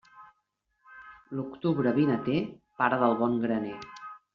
L'octubre vinater, pare del bon graner.